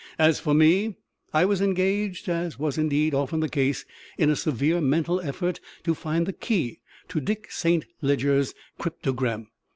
As for me, I was engaged as was indeed often the case in a severe mental effort to find the key to Dick Saint Leger's cryptogram.